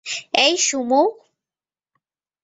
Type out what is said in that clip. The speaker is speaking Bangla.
এই, সুমো!